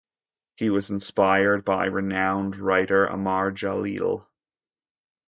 He was inspired by renowned writer Amar Jaleel.